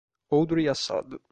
Audrey Assad